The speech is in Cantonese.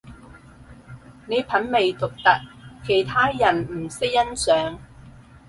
你品味獨特，其他人唔識欣賞